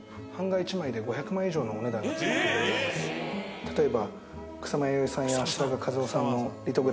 例えば。